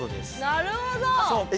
なるほど！え？